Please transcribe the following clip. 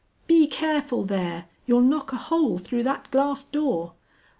"Be careful there, you'll knock a hole through that glass door!"